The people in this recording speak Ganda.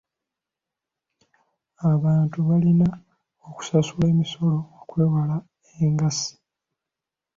Abantu balina okusasula emisolo okwewala engassi.